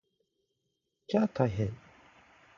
きゃー大変！